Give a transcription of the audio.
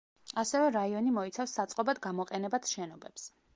ასევე, რაიონი მოიცავს საწყობად გამოყენებად შენობებს.